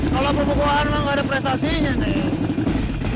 kalau pebobohan memang gak ada prestasinya neng